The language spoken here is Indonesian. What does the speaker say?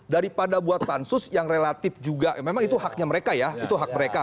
daripada buat pansus yang relatif juga memang itu haknya mereka ya itu hak mereka